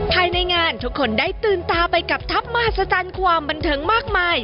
ภายในงานทุกคนได้ตื่นตาไปกับทัพมหัศจรรย์ความบันเทิงมากมาย